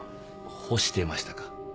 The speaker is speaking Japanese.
干してましたか。